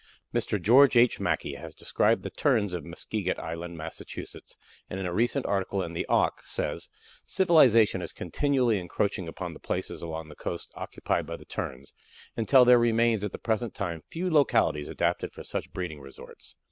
Mr. George H. Mackay has described the Terns of Muskeget Island, Massachusetts, and in a recent article in the "Auk," he says: "Civilization is continually encroaching upon the places along the coast occupied by the Terns until there remain at the present time few localities adapted for such breeding resorts.